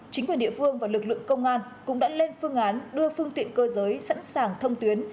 chính quyền địa phương và lực lượng công an cũng đã lên phương án đưa phương tiện cơ giới sẵn sàng thông tuyến